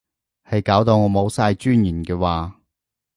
係搞到我冇晒尊嚴嘅話